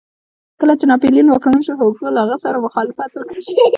کله چې ناپلیون واکمن شو هوګو له هغه سره مخالفت وکړ.